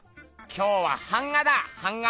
今日は版画だ版画！